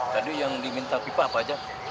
tadi yang diminta pipa apa aja